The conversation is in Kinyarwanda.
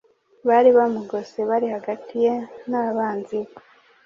bari bamugose bari hagati ye n’abanzi be.